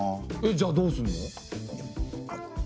えっじゃあどうするの？